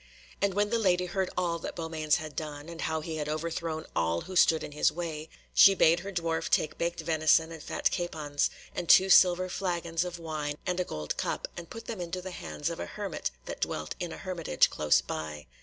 And when the lady heard all that Beaumains had done, and how he had overthrown all who stood in his way, she bade her dwarf take baked venison, and fat capons, and two silver flagons of wine and a gold cup, and put them into the hands of a hermit that dwelt in a hermitage close by.